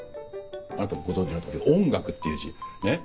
あなたもご存じの通り「音楽」っていう字ねっ。